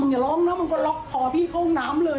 อย่าร้องนะมันก็ล็อกคอพี่เข้าห้องน้ำเลย